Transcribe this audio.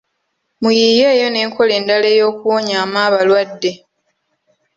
Muyiiyeeyo n’enkola endala ey'okuwonyaamu abalwadde.